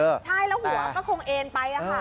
ใช่แล้วหัวก็คงเอ็นไปค่ะ